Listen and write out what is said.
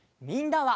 みんな。